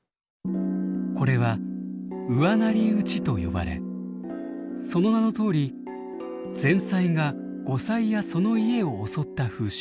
これは後妻打ちと呼ばれその名のとおり前妻が後妻やその家を襲った風習。